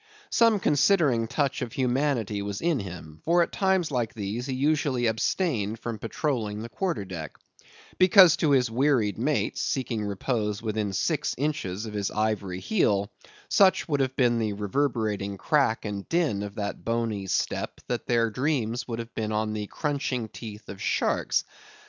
Some considering touch of humanity was in him; for at times like these, he usually abstained from patrolling the quarter deck; because to his wearied mates, seeking repose within six inches of his ivory heel, such would have been the reverberating crack and din of that bony step, that their dreams would have been on the crunching teeth of sharks.